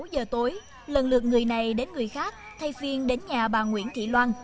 sáu giờ tối lần lượt người này đến người khác thay phiên đến nhà bà nguyễn thị loan